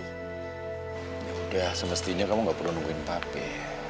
ya udah semestinya kamu nggak perlu nungguin papi